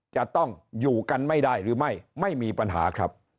จะต้องอยู่กันไม่ได้หรือไม่ไม่มีปัญหาครับ